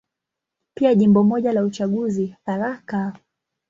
Pia Jimbo moja la uchaguzi, Tharaka.